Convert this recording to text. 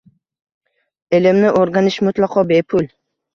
Ilmni o’rganish mutlaqo bepul